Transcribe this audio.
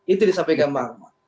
itu disampaikan bang akmal